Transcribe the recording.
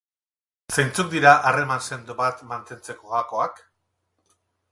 Zeintzuk dira harreman sendo bat mantentzeko gakoak?